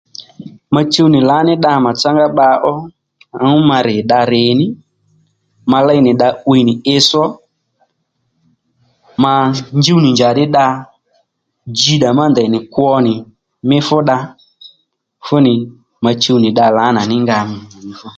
Ma chuw nì lǎní dda màtsá ngá bba ó nwǎŋú ma rì dda rì ní ma léy nì dda 'wiy nì itss ó ma njúw nì njàddí dda dji-ddà má ndèy nì kwo nì mí fú dda fúnì ma chuw nì dda lǎnà ní nga nì fu